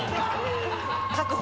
確保。